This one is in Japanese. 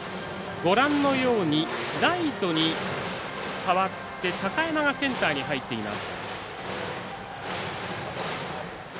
ライトに代わって高山がセンターに入っています。